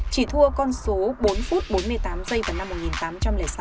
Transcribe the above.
chỉ thua con số bốn phút bốn mươi tám giây vào năm một nghìn tám trăm linh sáu